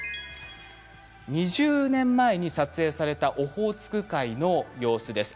２０年前に撮影されたオホーツク海の様子です。